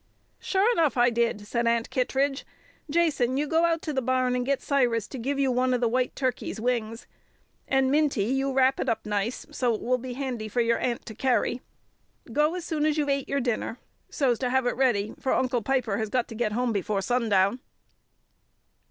"Sure enough I did," said Aunt Kittredge. "Jason, you go out to the barn and get Cyrus to give you one of the white turkey's wings; and Minty, you wrap it up nice, so it will be handy for your aunt to carry. Go as soon as you've ate your dinner, so's to have it ready, for Uncle Piper has got to get home before sundown."